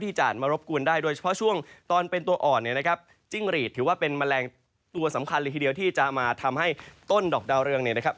จะมารบกวนได้โดยเฉพาะช่วงตอนเป็นตัวอ่อนเนี่ยนะครับจิ้งหรีดถือว่าเป็นแมลงตัวสำคัญเลยทีเดียวที่จะมาทำให้ต้นดอกดาวเรืองเนี่ยนะครับ